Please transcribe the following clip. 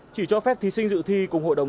chỉ cho phép thí sinh dự thi cùng hội đồng